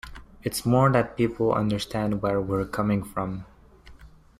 It's more that people understand where we're coming from.